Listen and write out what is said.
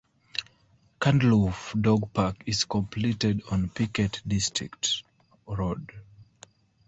Candlewoof Dog Park is completed on Pickett District Road.